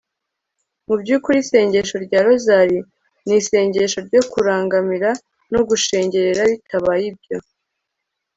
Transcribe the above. mu by'ukuri isengesho rya rozari ni isengesho ryo kurangamira no gushengerera. bitabaye ibyo